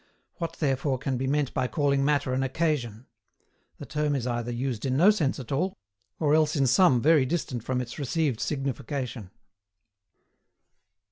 What therefore can be meant by calling matter an occasion? The term is either used in no sense at all, or else in some very distant from its received signification.